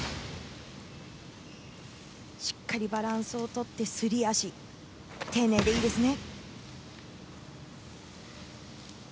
しっかりバランスをとってすり足、丁寧でいいですね。